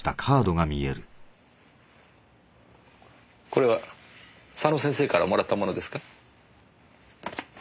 これは佐野先生からもらったものですか？